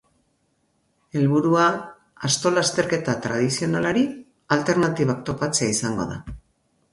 Helburua, asto lasterketa tradizionalari alternatibak topatzea izango da.